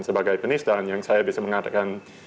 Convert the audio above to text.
sebagai penistaan yang saya bisa mengatakan